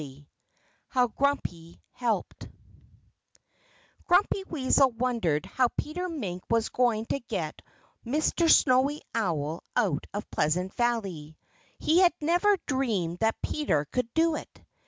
XXVI HOW GRUMPY HELPED Grumpy Weasel wondered how Peter Mink was going to get Mr. Snowy Owl out of Pleasant Valley. He had never dreamed that Peter could do it.